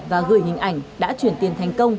và gửi hình ảnh đã chuyển tiền thành công